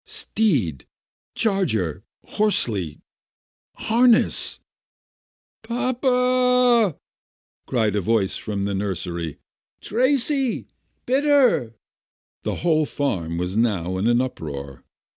" Steed — Charger — Horsely — Harness " "Papa !" cried a voice from the nursery. "Traccy ! Bitter!" The whole farm was now in an uproar.